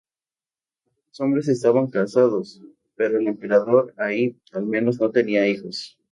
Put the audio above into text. Ambos hombres estaban casados, pero el Emperador Ai, al menos, no tenía hijos.